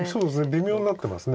微妙になってます。